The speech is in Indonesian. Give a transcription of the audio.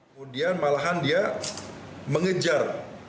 kemudian malahan dia mengejar